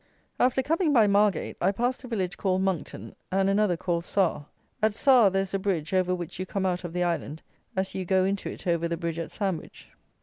After coming by Margate, I passed a village called Monckton, and another called Sarr. At Sarr there is a bridge, over which you come out of the island, as you go into it over the bridge at Sandwich.